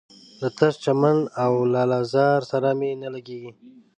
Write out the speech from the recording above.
له تش چمن او لاله زار سره مي نه لګیږي